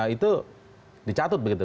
itu dicatut begitu